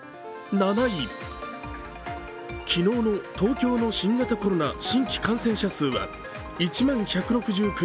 ７位、昨日の東京の新型コロナ新規感染者数は１万１６９人。